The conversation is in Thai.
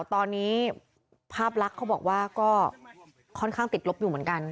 ตอนนี้ภาพลักษณ์เขาบอกว่าก็ค่อนข้างติดลบอยู่เหมือนกัน